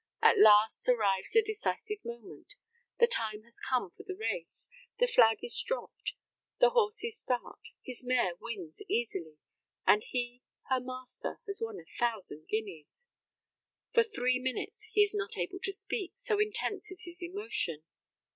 At last arrives the decisive moment. The time has come for his race. The flag is dropped; the horses start; his mare wins easily, and he, her master, has won a thousand guineas! For three minutes he is not able to speak, so intense is his emotion.